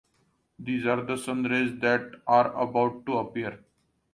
These are the sun rays that are about to appear.